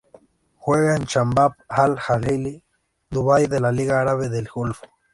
Juega en el Shabab Al-Ahli Dubai de la Liga Árabe del Golfo.